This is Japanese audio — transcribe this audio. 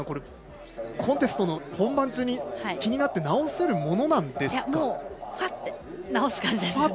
コンテストの本番中に気になって直せるものですか。